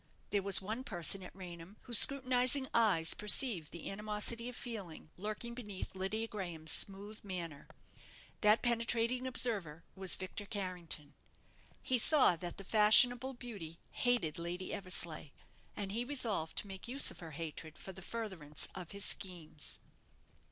There was one person at Raynham whose scrutinizing eyes perceived the animosity of feeling lurking beneath Lydia Graham's smooth manner. That penetrating observer was Victor Carrington. He saw that the fashionable beauty hated Lady Eversleigh, and he resolved to make use of her hatred for the furtherance of his schemes.